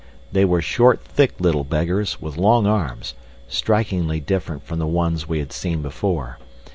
They were short, thick, little beggars, with long arms, strikingly different from the ones we had seen before.